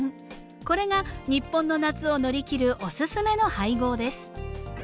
これが日本の夏を乗り切るおすすめの配合です。